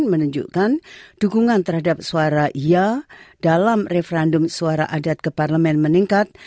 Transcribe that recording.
menunjukkan dukungan terhadap suara ia dalam referendum suara adat ke parlemen meningkat